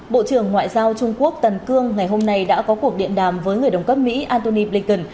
bộ trưởng ngoại giao trung quốc tần cương ngày hôm nay đã có cuộc điện đàm với người đồng cấp mỹ antony blinken